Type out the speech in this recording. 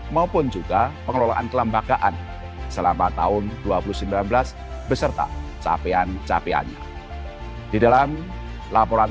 maupun juga pengelolaan kelembagaan selama tahun dua ribu sembilan belas beserta capaian capaiannya di dalam laporan